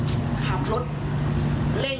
คุยกันก่อนสักคราวมันก็เปิดประตูรถแค่นี้นะ